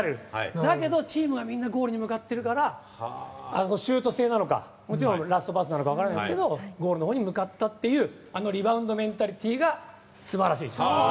だけど、チームがみんなゴールに向かっているからシュート性なのかラストパスなのか分からないですがゴールのほうに向かったというあのリバウンドメンタリティーが素晴らしい。